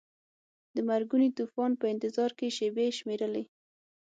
د مرګوني طوفان په انتظار کې شیبې شمیرلې.